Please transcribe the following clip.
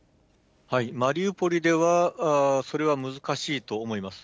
マリウポリでは、それは難しいと思います。